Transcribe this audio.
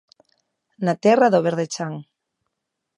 Na terra do verde chan.